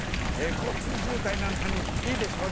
交通渋滞なんかにいいでしょうね。